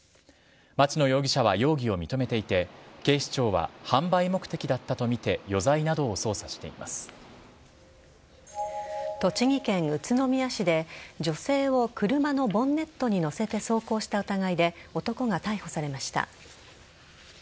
町野容疑者は容疑を認めていて警視庁は販売目的だったとみて栃木県宇都宮市で女性を車のボンネットに乗せて走行した疑いで男が逮捕されました。